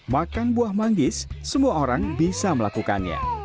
makan buah manggis semua orang bisa melakukannya